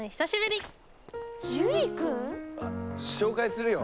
紹介するよ。